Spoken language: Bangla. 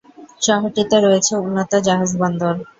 শহরটিতে রয়েছে উন্নত জাহাজ বন্দর।